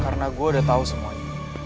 karena gue udah tau semuanya